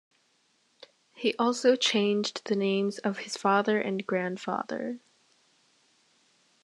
He also changed the names of his father and grandfather.